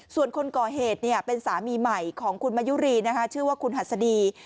ส่วนคนก่อเหตุเป็นสามีใหม่ของคุณมายุรีชื่อว่าคุณหัสดี